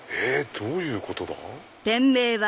どういうことだ？